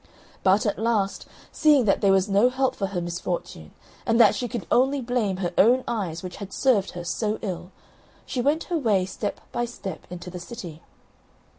But, at last, seeing that there was no help for her misfortune, and that she could only blame her own eyes, which had served her so ill, she went her way, step by step, into the city.